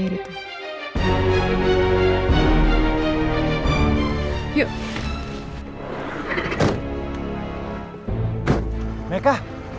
gak ada sih mereka